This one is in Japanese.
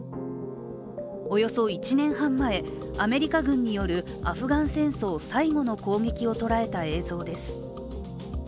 およそ１年半前、アメリカ軍によるアフガン戦争最後の攻撃を捉えた映像です。